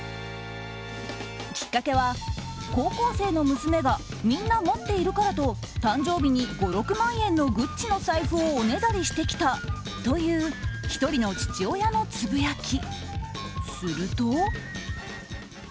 きっかけは、高校生の娘がみんな持っているからと誕生日に５６万円のＧＵＣＣＩの財布をおねだりしてきたという１人の父親のつぶやき。